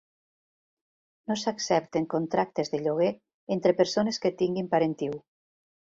No s'accepten contractes de lloguer entre persones que tinguin parentiu.